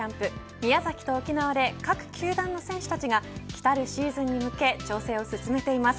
宮崎と沖縄で各球団の選手たちが来たるシーズンに向け調整を進めています。